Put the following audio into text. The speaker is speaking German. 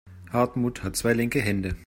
Hartmut hat zwei linke Hände.